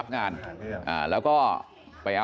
มันต้องการมาหาเรื่องมันจะมาแทงนะ